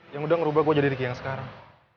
yang udah ngerubah gue jadi ricky yang sekarang